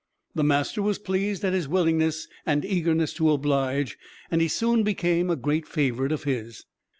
The master was pleased at his willingness and eagerness to oblige, and he soon became a great favorite of his.